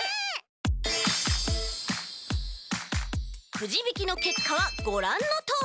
くじびきのけっかはごらんのとおり！